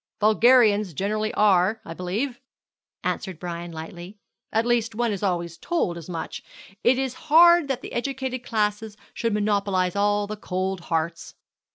'Vulgarians generally are, I believe,' answered Brian lightly. 'At least, one is always told as much. It is hard that the educated classes should monopolize all the cold hearts.